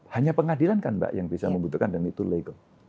hanya pengadilan kan mbak yang bisa membutuhkan dan itu legal